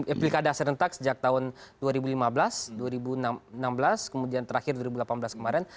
ya pilkada serentak sejak tahun dua ribu lima belas dua ribu enam belas kemudian terakhir dua ribu delapan belas kemarin